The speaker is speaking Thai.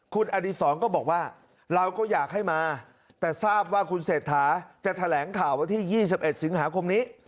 คุณอดีศรก็บอกว่าเราก็อยากให้มาแต่ทราบว่าคุณเศรษฐาจะแถลงข่าววันที่๒๑สิงหาคมนี้